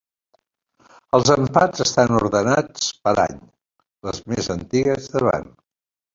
Els empats estan ordenats per any, les més antigues davant.